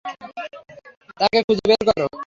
তাকে খুঁজে বের করো।